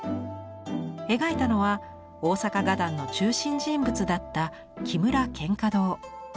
描いたのは大坂画壇の中心人物だった木村蒹葭堂。